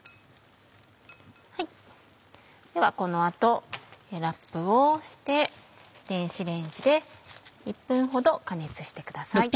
ではこの後ラップをして電子レンジで１分ほど加熱してください。